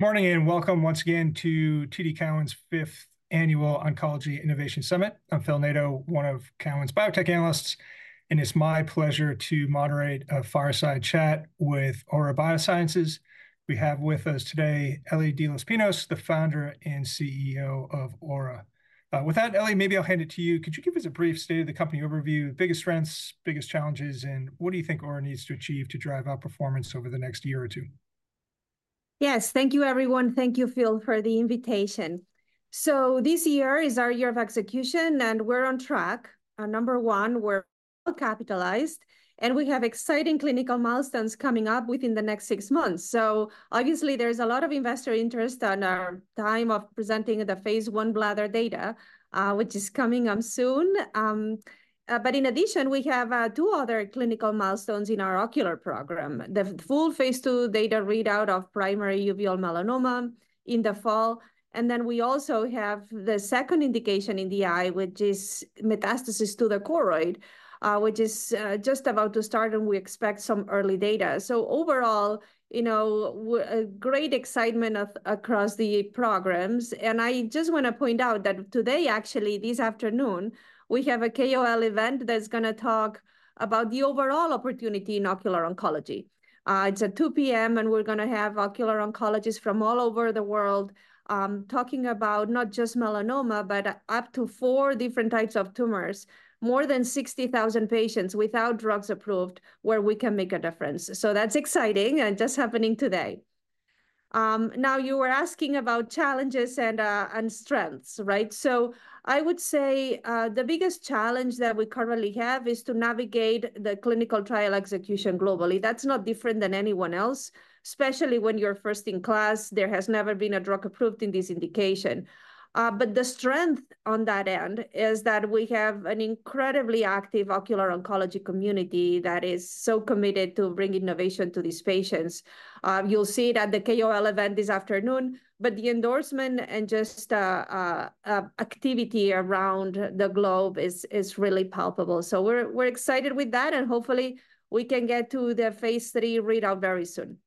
Morning, and welcome once again to TD Cowen's Fifth Annual Oncology Innovation Summit. I'm Phil Nadeau, one of Cowen's biotech analysts, and it's my pleasure to moderate a fireside chat with Aura Biosciences. We have with us today, Elisabet de los Pinos, the founder and CEO of Aura. With that, Elisabet, maybe I'll hand it to you. Could you give us a brief state of the company overview, biggest strengths, biggest challenges, and what do you think Aura needs to achieve to drive outperformance over the next year or two? Yes, thank you, everyone, thank you, Phil, for the invitation. So this year is our year of execution, and we're on track. Number one, we're well capitalized, and we have exciting clinical milestones coming up within the next six months. So obviously, there is a lot of investor interest on our time of presenting the phase I bladder data, which is coming up soon. But in addition, we have two other clinical milestones in our ocular program. The full phase II data readout of primary uveal melanoma in the fall, and then we also have the second indication in the eye, which is metastasis to the choroid, which is just about to start, and we expect some early data. So overall, you know, a great excitement across the programs. I just want to point out that today, actually, this afternoon, we have a KOL event that's gonna talk about the overall opportunity in ocular oncology. It's at 2:00 P.M., and we're gonna have ocular oncologists from all over the world, talking about not just melanoma, but up to 4 different types of tumors. More than 60,000 patients without drugs approved, where we can make a difference. So that's exciting and just happening today. Now, you were asking about challenges and strengths, right? So I would say, the biggest challenge that we currently have is to navigate the clinical trial execution globally. That's not different than anyone else, especially when you're first in class, there has never been a drug approved in this indication. But the strength on that end is that we have an incredibly active ocular oncology community that is so committed to bring innovation to these patients. You'll see it at the KOL event this afternoon, but the endorsement and just activity around the globe is really palpable. So we're excited with that, and hopefully, we can get to the Phase III readout very soon.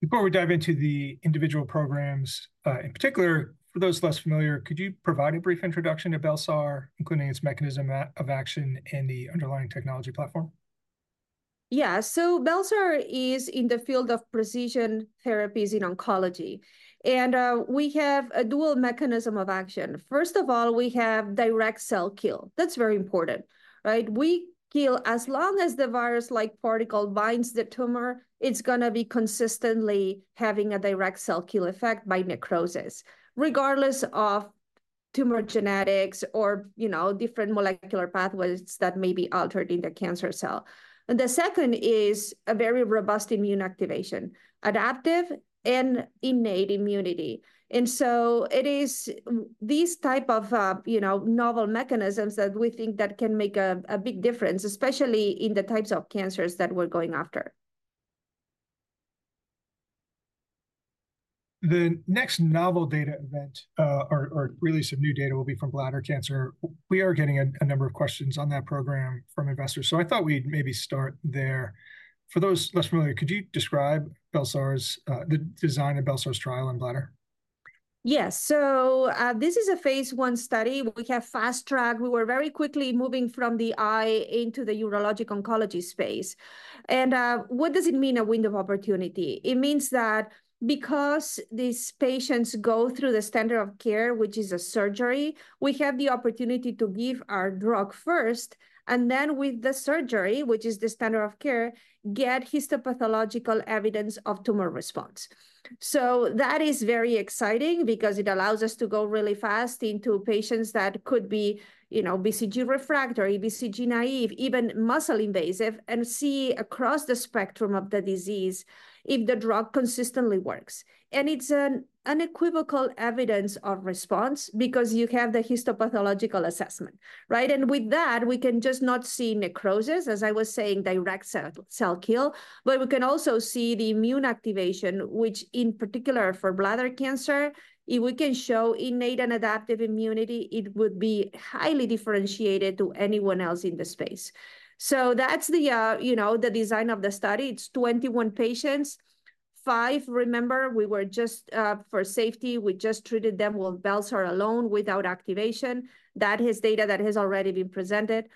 Before we dive into the individual programs, in particular, for those less familiar, could you provide a brief introduction to bel-sar, including its mechanism of action and the underlying technology platform? Yeah, so bel-sar is in the field of precision therapies in oncology, and we have a dual mechanism of action. First of all, we have direct cell kill. That's very important, right? We kill... As long as the virus-like particle binds the tumor, it's gonna be consistently having a direct cell kill effect by necrosis, regardless of tumor genetics or, you know, different molecular pathways that may be altered in the cancer cell. And the second is a very robust immune activation, adaptive and innate immunity. And so it is these type of, you know, novel mechanisms that we think that can make a big difference, especially in the types of cancers that we're going after. The next novel data event, release of new data will be from bladder cancer. We are getting a number of questions on that program from investors, so I thought we'd maybe start there. For those less familiar, could you describe bel-sar's, the design of bel-sar's trial in bladder? Yes. So, this is a phase I study. We have fast tracked. We were very quickly moving from the eye into the urologic oncology space. And, what does it mean, a window of opportunity? It means that because these patients go through the standard of care, which is a surgery, we have the opportunity to give our drug first, and then with the surgery, which is the standard of care, get histopathological evidence of tumor response. So that is very exciting because it allows us to go really fast into patients that could be, you know, BCG refractory, BCG naive, even muscle invasive, and see across the spectrum of the disease if the drug consistently works. And it's an unequivocal evidence of response because you have the histopathological assessment, right? And with that, we can just not see necrosis, as I was saying, direct cell, cell kill, but we can also see the immune activation, which in particular for bladder cancer, if we can show innate and adaptive immunity, it would be highly differentiated to anyone else in the space. So that's the, you know, the design of the study. It's 21 patients. 5, remember, we were just, for safety, we just treated them with bel-sar alone without activation. That is data that has already been presented.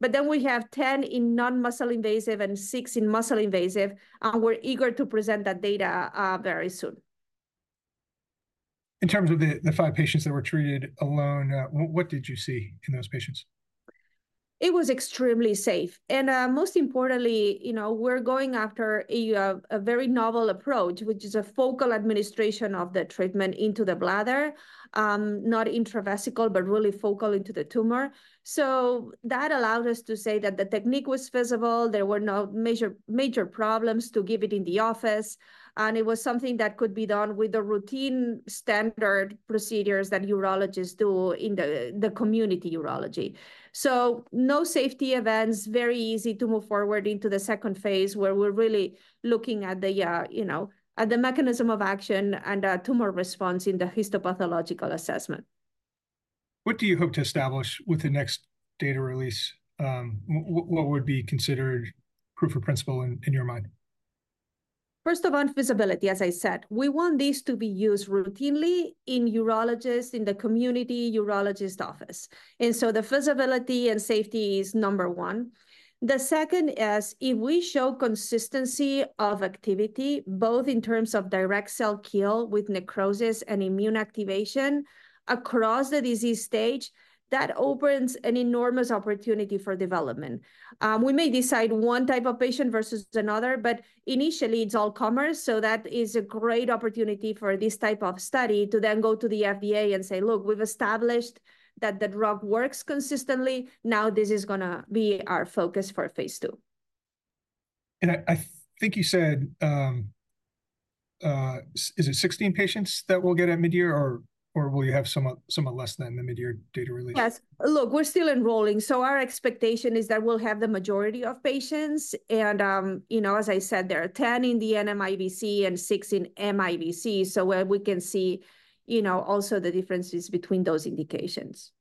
But then we have 10 in non-muscle invasive and 6 in muscle invasive, and we're eager to present that data, very soon. In terms of the five patients that were treated alone, what did you see in those patients? It was extremely safe, and most importantly, you know, we're going after a very novel approach, which is a focal administration of the treatment into the bladder, not intravesical, but really focal into the tumor. So that allowed us to say that the technique was feasible, there were no major, major problems to give it in the office, and it was something that could be done with the routine standard procedures that urologists do in the community urology. So no safety events, very easy to move forward into the second phase, where we're really looking at the, you know, at the mechanism of action and tumor response in the histopathological assessment.... What do you hope to establish with the next data release? What, what would be considered proof of principle in, in your mind? First of all, feasibility. As I said, we want this to be used routinely in urologists, in the community urologist office, and so the feasibility and safety is number one. The second is, if we show consistency of activity, both in terms of direct cell kill with necrosis and immune activation across the disease stage, that opens an enormous opportunity for development. We may decide one type of patient versus another, but initially, it's all comers, so that is a great opportunity for this type of study to then go to the FDA and say, "Look, we've established that the drug works consistently. Now, this is gonna be our focus for phase two. I think you said, is it 16 patients that we'll get at midyear, or will you have somewhat, somewhat less than the midyear data release? Yes. Look, we're still enrolling, so our expectation is that we'll have the majority of patients. You know, as I said, there are 10 in the nmIBC and 6 in miBC, so where we can see, you know, also the differences between those indications.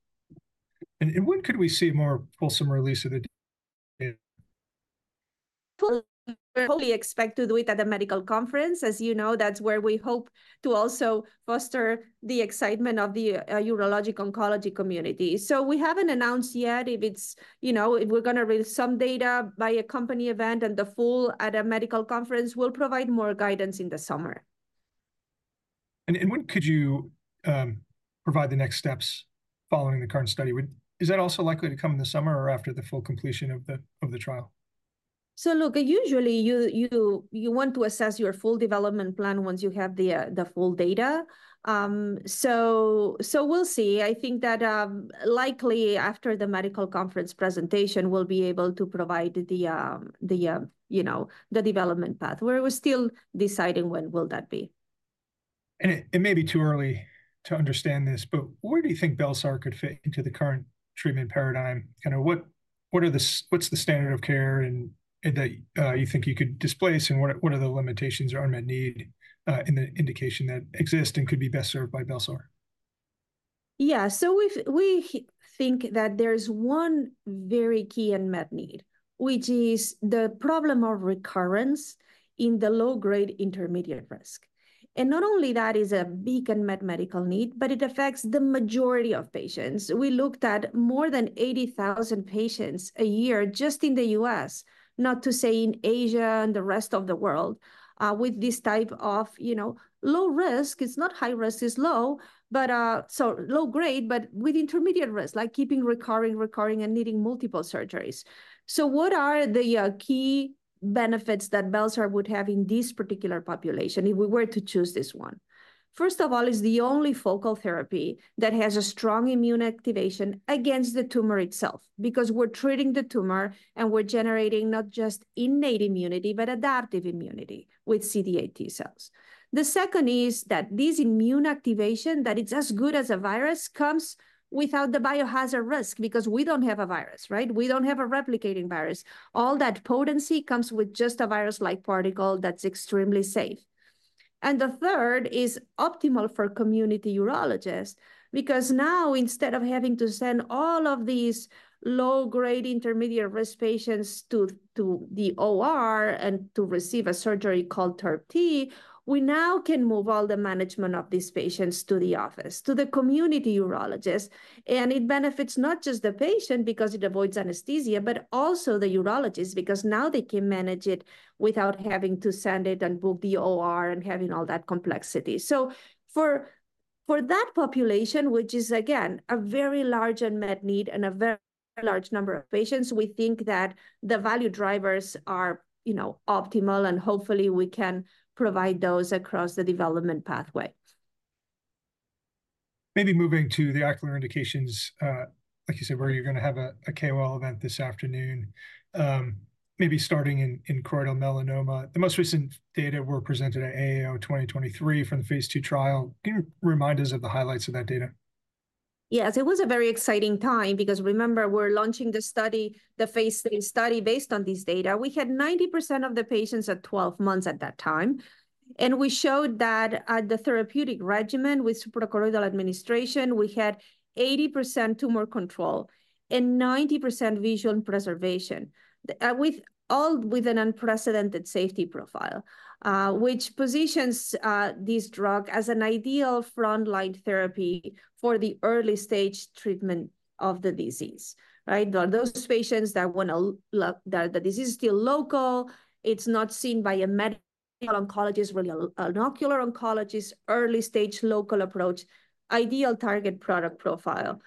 And when could we see a more fulsome release of the data? Full- we expect to do it at a medical conference. As you know, that's where we hope to also foster the excitement of the urologic oncology community. So we haven't announced yet if it's, you know, if we're gonna release some data by a company event, and the full at a medical conference, we'll provide more guidance in the summer. When could you provide the next steps following the current study? Would... is that also likely to come in the summer or after the full completion of the trial? So look, usually you want to assess your full development plan once you have the full data. So we'll see. I think that likely after the medical conference presentation, we'll be able to provide, you know, the development path. We're still deciding when will that be. It may be too early to understand this, but where do you think bel-sar could fit into the current treatment paradigm? You know, what's the standard of care, and that you think you could displace, and what are the limitations or unmet need in the indication that exists and could be best served by bel-sar? Yeah, so we think that there's one very key unmet need, which is the problem of recurrence in the low-grade intermediate risk. And not only that is a big unmet medical need, but it affects the majority of patients. We looked at more than 80,000 patients a year just in the U.S., not to say in Asia and the rest of the world, with this type of, you know, low risk. It's not high risk, it's low, but so low grade, but with intermediate risk, like keeping recurring, recurring, and needing multiple surgeries. So what are the key benefits that bel-sar would have in this particular population if we were to choose this one? First of all, it's the only focal therapy that has a strong immune activation against the tumor itself, because we're treating the tumor, and we're generating not just innate immunity, but adaptive immunity with CD8 T cells. The second is that this immune activation, that it's as good as a virus, comes without the biohazard risk because we don't have a virus, right? We don't have a replicating virus. All that potency comes with just a virus-like particle that's extremely safe. And the third is optimal for community urologists because now, instead of having to send all of these low-grade intermediate-risk patients to the OR and to receive a surgery called TURBT, we now can move all the management of these patients to the office, to the community urologist. And it benefits not just the patient because it avoids anesthesia, but also the urologist because now they can manage it without having to send it and book the OR and having all that complexity. So for that population, which is, again, a very large unmet need and a very large number of patients, we think that the value drivers are, you know, optimal, and hopefully, we can provide those across the development pathway. Maybe moving to the ocular indications, like you said, where you're gonna have a KOL event this afternoon. Maybe starting in choroidal melanoma, the most recent data were presented at AAO 2023 from the phase II trial. Can you remind us of the highlights of that data? Yes, it was a very exciting time because, remember, we're launching the study, the phase 3 study, based on this data. We had 90% of the patients at 12 months at that time, and we showed that at the therapeutic regimen with suprachoroidal administration, we had 80% tumor control and 90% visual preservation. With an unprecedented safety profile, which positions this drug as an ideal frontline therapy for the early-stage treatment of the disease, right? Those patients that the disease is still local, it's not seen by a medical oncologist or an ocular oncologist, early-stage local approach, ideal target product profile.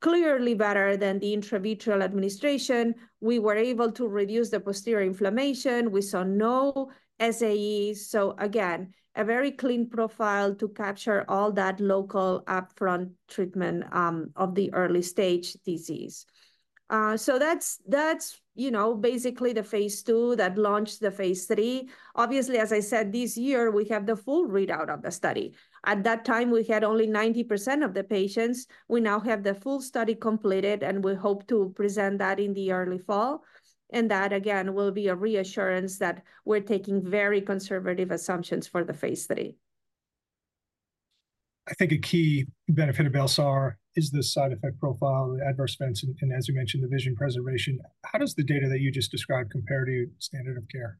Clearly better than the intravitreal administration. We were able to reduce the posterior inflammation. We saw no SAEs, so again, a very clean profile to capture all that local upfront treatment of the early-stage disease. So that's, you know, basically the phase II that launched the phase III. Obviously, as I said, this year, we have the full readout of the study. At that time, we had only 90% of the patients. We now have the full study completed, and we hope to present that in the early fall, and that, again, will be a reassurance that we're taking very conservative assumptions for the phase III.... I think a key benefit of bel-sar is the side effect profile, the adverse events, and as you mentioned, the vision preservation. How does the data that you just described compare to standard of care?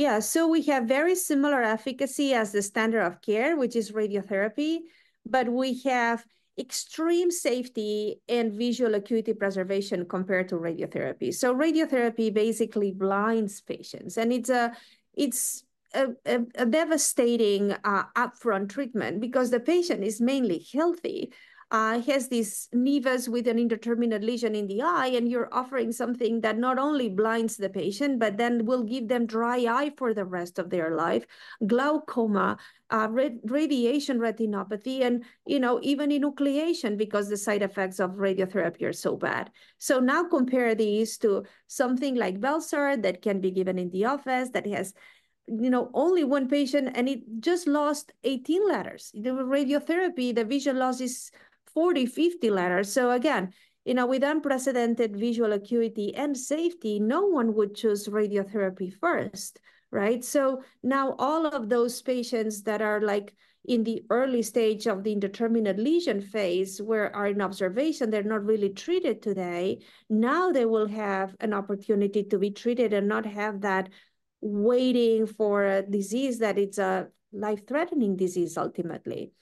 Yeah, so we have very similar efficacy as the standard of care, which is radiotherapy, but we have extreme safety and visual acuity preservation compared to radiotherapy. So radiotherapy basically blinds patients, and it's a devastating upfront treatment because the patient is mainly healthy. He has these nevus with an indeterminate lesion in the eye, and you're offering something that not only blinds the patient, but then will give them dry eye for the rest of their life, glaucoma, radiation retinopathy, and, you know, even enucleation because the side effects of radiotherapy are so bad. So now compare these to something like bel-sar that can be given in the office, that has, you know, only one patient, and it just lost 18 letters. The radiotherapy, the vision loss is 40-50 letters. So again, you know, with unprecedented visual acuity and safety, no one would choose radiotherapy first, right? So now all of those patients that are, like, in the early stage of the indeterminate lesion phase, where are in observation, they're not really treated today, now they will have an opportunity to be treated and not have that waiting for a disease that it's a life-threatening disease, ultimately.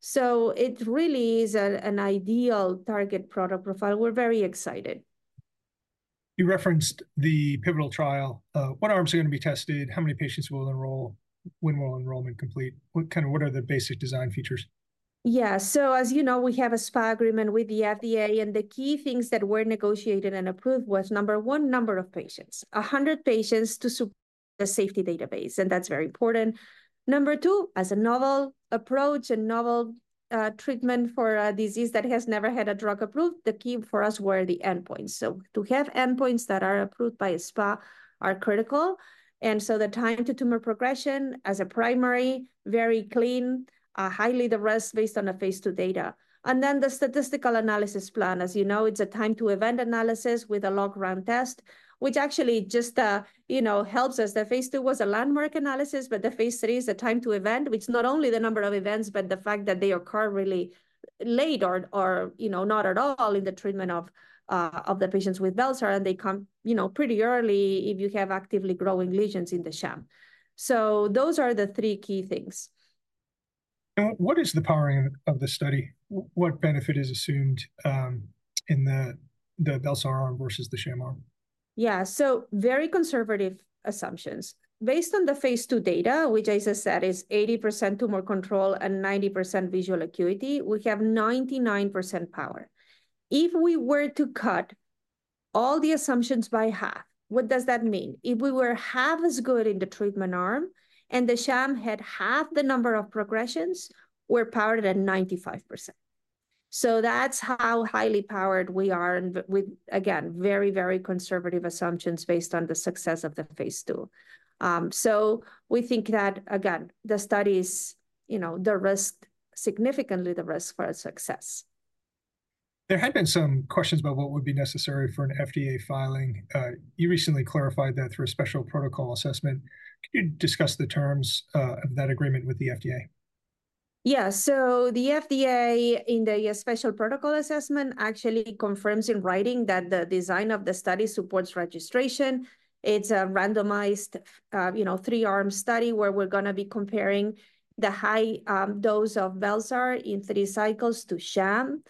So it really is an, an ideal target product profile. We're very excited. You referenced the pivotal trial. What arms are gonna be tested? How many patients will enroll? When will enrollment complete? What are the basic design features? Yeah. So as you know, we have a SPA agreement with the FDA, and the key things that were negotiated and approved was, number one, number of patients, 100 patients to support the safety database, and that's very important. Number two, as a novel approach, a novel, treatment for a disease that has never had a drug approved, the key for us were the endpoints. So to have endpoints that are approved by a SPA are critical, and so the time to tumor progression as a primary, very clean, highly de-risked based on the phase II data. And then the statistical analysis plan, as you know, it's a time to event analysis with a log-rank test, which actually just, you know, helps us. The phase II was a landmark analysis, but the phase III is a time to event, which not only the number of events, but the fact that they occur really late or, you know, not at all in the treatment of the patients with bel-sar, and they come, you know, pretty early if you have actively growing lesions in the sham. So those are the three key things. What is the powering of the study? What benefit is assumed in the bel-sar arm versus the sham arm? Yeah, so very conservative assumptions. Based on the phase II data, which as I said, is 80% tumor control and 90% visual acuity, we have 99% power. If we were to cut all the assumptions by half, what does that mean? If we were half as good in the treatment arm and the sham had half the number of progressions, we're powered at 95%. So that's how highly powered we are, and with, again, very, very conservative assumptions based on the success of the phase II. So we think that, again, the study is, you know, the risk, significantly the risk for a success. There had been some questions about what would be necessary for an FDA filing. You recently clarified that through a Special Protocol Assessment. Can you discuss the terms of that agreement with the FDA? Yeah, so the FDA, in the special protocol assessment, actually confirms in writing that the design of the study supports registration. It's a randomized, you know, three-arm study, where we're gonna be comparing the high dose of bel-sar in three cycles to sham.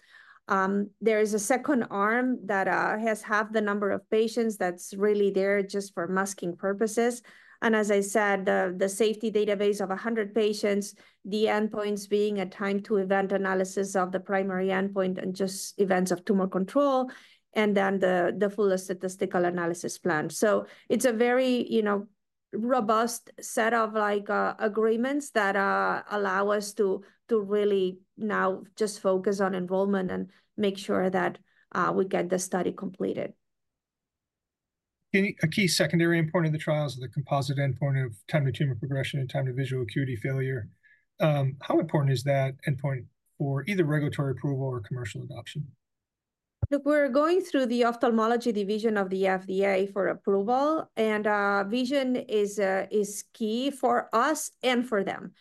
There is a second arm that has half the number of patients that's really there just for masking purposes, and as I said, the safety database of 100 patients, the endpoints being a time to event analysis of the primary endpoint and just events of tumor control, and then the full statistical analysis plan. So it's a very, you know, robust set of, like, agreements that allow us to to really now just focus on enrollment and make sure that we get the study completed. A key secondary endpoint of the trials is the composite endpoint of time to tumor progression and time to visual acuity failure. How important is that endpoint for either regulatory approval or commercial adoption? Look, we're going through the ophthalmology division of the FDA for approval, and vision is key for us and for them.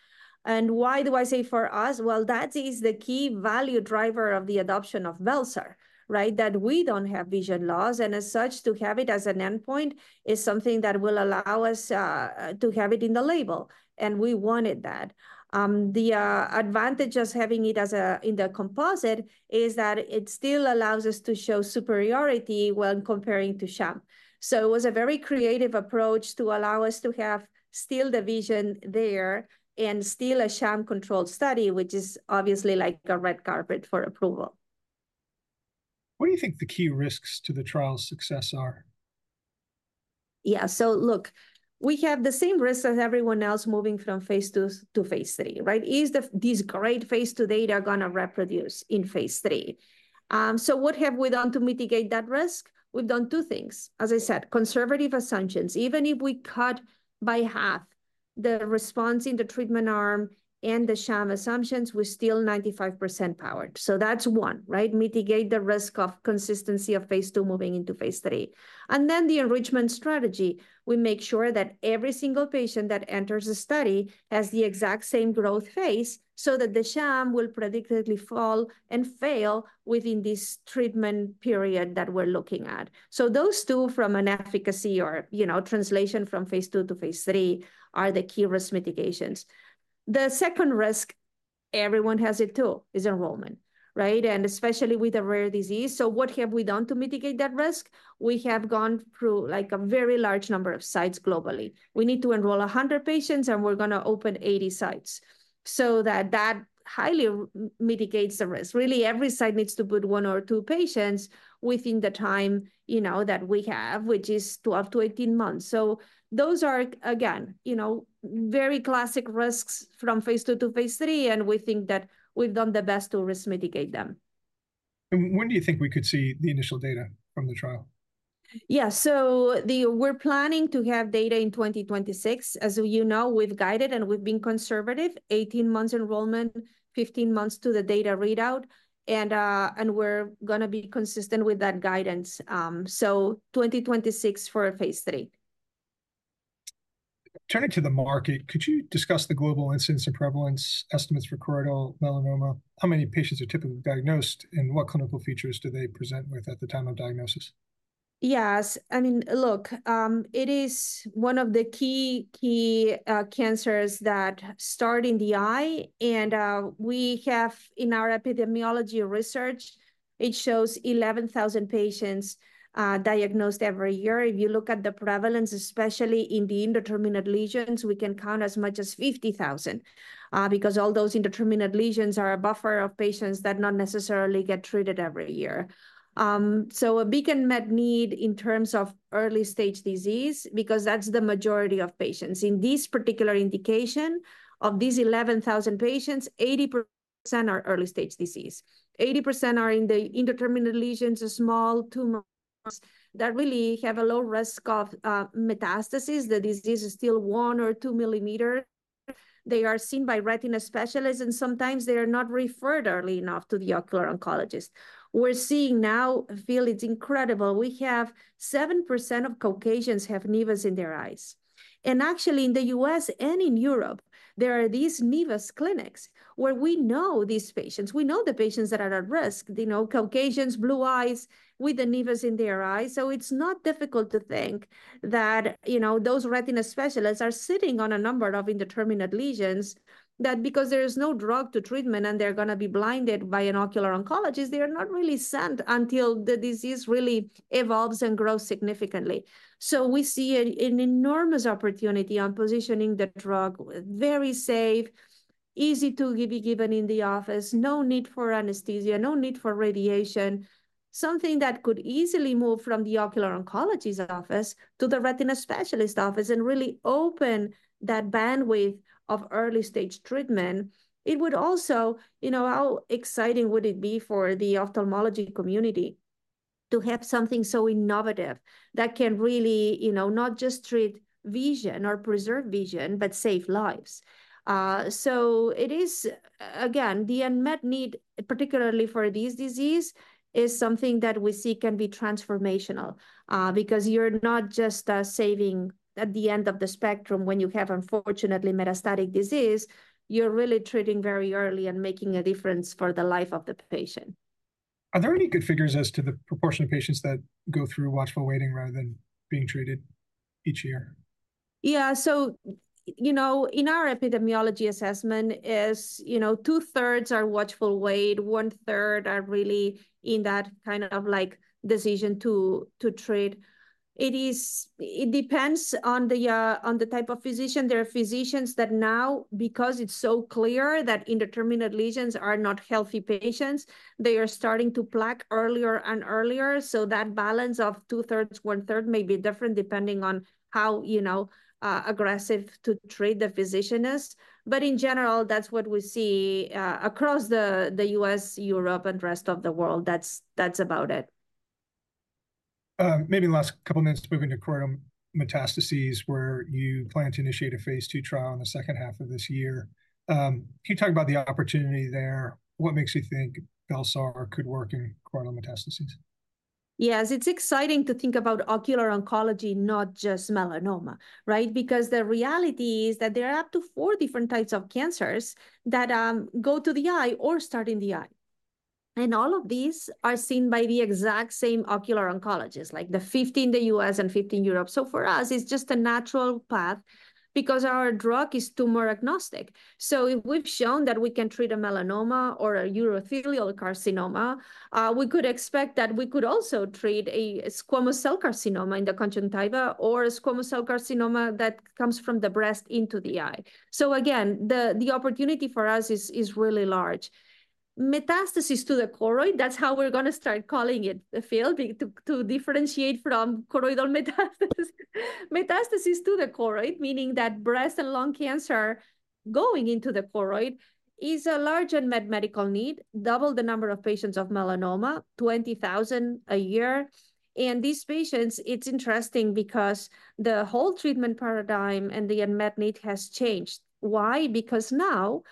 And why do I say for us? Well, that is the key value driver of the adoption of bel-sar, right? That we don't have vision loss, and as such, to have it as an endpoint is something that will allow us to have it in the label, and we wanted that. The advantage of having it as a in the composite is that it still allows us to show superiority when comparing to sham. So it was a very creative approach to allow us to have still the vision there and still a sham-controlled study, which is obviously like a red carpet for approval. What do you think the key risks to the trial's success are? Yeah, so look, we have the same risk as everyone else moving from phase II to phase III, right? Is the, these great phase II data gonna reproduce in phase III? So what have we done to mitigate that risk? We've done two things. As I said, conservative assumptions. Even if we cut by half the response in the treatment arm and the sham assumptions were still 95% powered. So that's one, right? Mitigate the risk of consistency of phase II moving into phase III. And then the enrichment strategy, we make sure that every single patient that enters the study has the exact same growth phase, so that the sham will predictably fall and fail within this treatment period that we're looking at. So those two, from an efficacy or, you know, translation from phase II to phase III, are the key risk mitigations. The second risk, everyone has it, too, is enrollment, right? And especially with a rare disease. So what have we done to mitigate that risk? We have gone through, like, a very large number of sites globally. We need to enroll 100 patients, and we're gonna open 80 sites. So that highly mitigates the risk. Really, every site needs to put one or two patients within the time, you know, that we have, which is 12-18 months. So those are, again, you know, very classic risks from phase II to phase III, and we think that we've done the best to risk mitigate them. When do you think we could see the initial data from the trial? Yeah, so we're planning to have data in 2026. As you know, we've guided, and we've been conservative, 18 months enrollment, 15 months to the data readout, and we're gonna be consistent with that guidance. So 2026 for a phase 3. Turning to the market, could you discuss the global incidence and prevalence estimates for choroidal melanoma? How many patients are typically diagnosed, and what clinical features do they present with at the time of diagnosis? Yes. I mean, look, it is one of the key cancers that start in the eye, and we have in our epidemiology research, it shows 11,000 patients diagnosed every year. If you look at the prevalence, especially in the indeterminate lesions, we can count as much as 50,000, because all those indeterminate lesions are a buffer of patients that not necessarily get treated every year. So a big unmet need in terms of early-stage disease, because that's the majority of patients. In this particular indication, of these 11,000 patients, 80% are early-stage disease. 80% are in the indeterminate lesions or small tumors that really have a low risk of metastasis. The disease is still 1 or 2 millimeter. They are seen by retina specialists, and sometimes they are not referred early enough to the ocular oncologist. We're seeing now, Phil, it's incredible. We have 7% of Caucasians have nevus in their eyes, and actually, in the U.S. and in Europe, there are these nevus clinics where we know these patients. We know the patients that are at risk. You know, Caucasians, blue eyes, with the nevus in their eyes. So it's not difficult to think that, you know, those retina specialists are sitting on a number of indeterminate lesions that because there is no drug to treatment, and they're gonna be blinded by an ocular oncologist, they are not really sent until the disease really evolves and grows significantly. So we see an enormous opportunity on positioning the drug, very safe, easy to be given in the office, no need for anesthesia, no need for radiation. Something that could easily move from the ocular oncologist office to the retina specialist office and really open that bandwidth of early-stage treatment. It would also... You know, how exciting would it be for the ophthalmology community to have something so innovative that can really, you know, not just treat vision or preserve vision, but save lives? So it is, again, the unmet need, particularly for this disease, is something that we see can be transformational. Because you're not just saving at the end of the spectrum when you have, unfortunately, metastatic disease, you're really treating very early and making a difference for the life of the patient. Are there any good figures as to the proportion of patients that go through watchful waiting rather than being treated each year? Yeah, so, you know, in our epidemiology assessment is, you know, 2/3 are watchful wait, 1/3 are really in that kind of, like, decision to treat. It depends on the type of physician. There are physicians that now, because it's so clear that indeterminate lesions are not healthy patients, they are starting to plaque earlier and earlier. So that balance of 2/3, 1/3 may be different depending on how aggressive to treat the physician is. But in general, that's what we see across the U.S., Europe, and rest of the world. That's about it. Maybe last couple minutes, moving to choroidal metastases, where you plan to initiate a phase II trial in the second half of this year. Can you talk about the opportunity there? What makes you think bel-sar could work in choroidal metastases? Yes, it's exciting to think about ocular oncology, not just melanoma, right? Because the reality is that there are up to four different types of cancers that go to the eye or start in the eye. And all of these are seen by the exact same ocular oncologist, like the 50 in the U.S. and 50 in Europe. So for us, it's just a natural path because our drug is tumor agnostic. So if we've shown that we can treat a melanoma or a urothelial carcinoma, we could expect that we could also treat a squamous cell carcinoma in the conjunctiva or a squamous cell carcinoma that comes from the breast into the eye. So again, the opportunity for us is really large. Metastasis to the choroid, that's how we're gonna start calling it, Phil, to differentiate from choroidal metastasis. Metastasis to the choroid, meaning that breast and lung cancer going into the choroid, is a large unmet medical need, double the number of patients of melanoma, 20,000 a year. These patients, it's interesting because the whole treatment paradigm and the unmet need has changed. Why? Because now,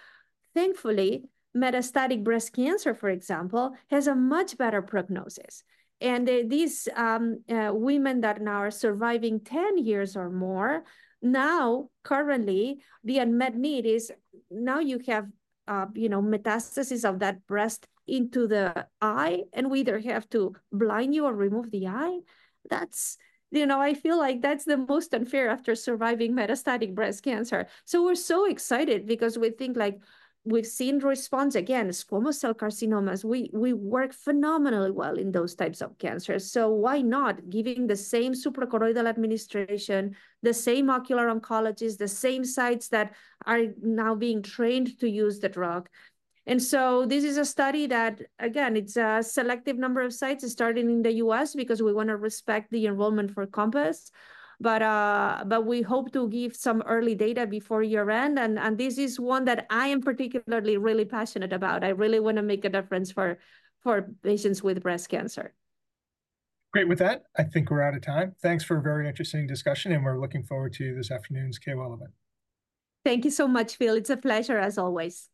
thankfully, metastatic breast cancer, for example, has a much better prognosis. And these, women that now are surviving 10 years or more, now, currently, the unmet need is now you have, you know, metastasis of that breast into the eye, and we either have to blind you or remove the eye. That's... You know, I feel like that's the most unfair after surviving metastatic breast cancer. So we're so excited because we think, like, we've seen response, again, squamous cell carcinomas. We work phenomenally well in those types of cancers, so why not giving the same suprachoroidal administration, the same ocular oncologist, the same sites that are now being trained to use the drug? And so this is a study that, again, it's a selective number of sites. It's starting in the U.S. because we wanna respect the enrollment for CoMpass, but, but we hope to give some early data before year-end, and this is one that I am particularly really passionate about. I really wanna make a difference for patients with breast cancer. Great. With that, I think we're out of time. Thanks for a very interesting discussion, and we're looking forward to this afternoon's KOL event. Thank you so much, Phil. It's a pleasure, as always.